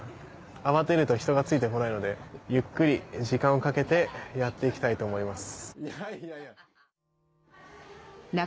慌てると人がついてこないのでゆっくり時間をかけてやっていきたいと思います。